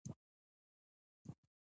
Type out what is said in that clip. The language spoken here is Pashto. • غونډۍ د ځنګلي حیواناتو استوګنځای دی.